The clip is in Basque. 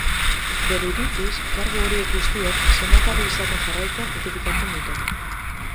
Bere iritziz, kargu horiek guztiek senatari izaten jarraitzea justifikatzen dute.